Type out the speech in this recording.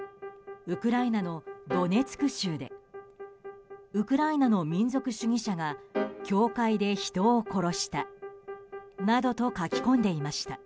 ウクライナのドネツク州でウクライナの民族主義者が教会で人を殺したなどと書き込んでいました。